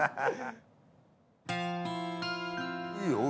いいよ上。